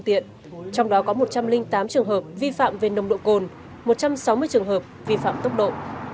trong đó có một trăm linh tám trường hợp vi phạm về nồng độ cồn một trăm sáu mươi trường hợp vi phạm tốc độ